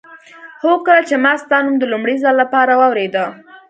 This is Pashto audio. هو کله چې ما ستا نوم د لومړي ځل لپاره واورېده.